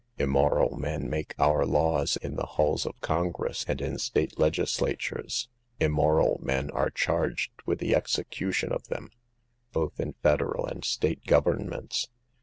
Immoral men make our laws in the halls of Congress and in State legislatures; immoral men are charged with the execution of them, both in SOCIETY BUYING A SLAVE. 228 federal and State governments.